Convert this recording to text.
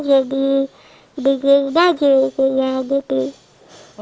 jadi bikin baju punya tutik